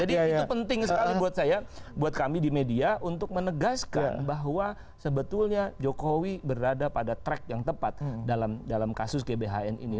jadi itu penting sekali buat saya buat kami di media untuk menegaskan bahwa sebetulnya jokowi berada pada track yang tepat dalam kasus gbhn ini